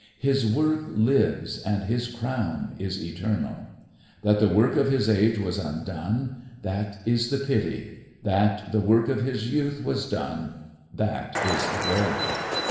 His work lives and his crown is eternal. That the work of his age was undone, that is the pity, that the work of his youth was done, that is the glory.